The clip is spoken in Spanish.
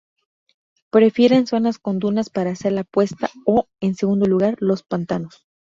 Prefieren zonas con dunas para hacer la puesta o, en segundo lugar, los pantanos.